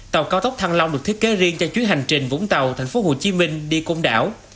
tàu cao tốc thăng long được thiết kế riêng cho chuyến hành trình vũng tàu thành phố hồ chí minh đi công đảo